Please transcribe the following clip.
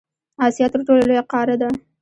اسیا تر ټولو لویه قاره ده.